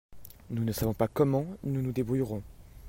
Nous ne savons pas comment nous nous débrouillerons.